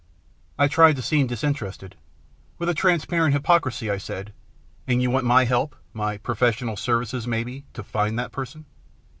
I tried to seem disinterested. With a transparent hypocrisy, I said, " And you want my help, my pro fessional services, maybe, to find that person."